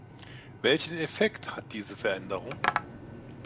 Welchen Effekt hat diese Veränderung?